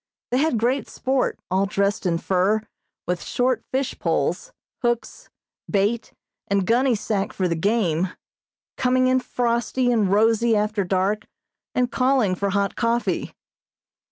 They had great sport, all dressed in fur, with short fish poles, hooks, bait and gunny sack for the game, coming in frosty and rosy after dark, and calling for hot coffee.